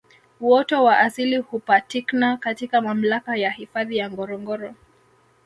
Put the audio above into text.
Uoto wa asili hupatikna katika mamlaka ya hifadhi ya Ngorongoro